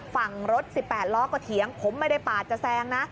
ฝั่งรถ๑๘ล้อก็เถียงผมไม่ได้ปาดจะแซงนะ